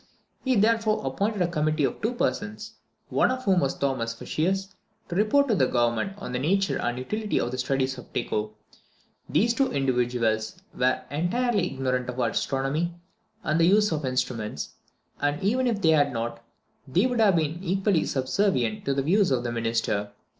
He therefore appointed a committee of two persons, one of whom was Thomas Feuchius, to report to the government on the nature and utility of the studies of Tycho. These two individuals were entirely ignorant of astronomy and the use of instruments; and even if they had not, they would have been equally subservient to the views of the minister.